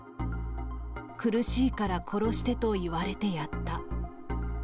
苦しいから殺してと言われてやった。